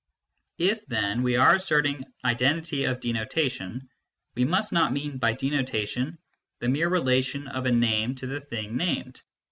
If. then, we are asserting identity of denotation, we must not mean by denotation the mere relation of a name to the thing named.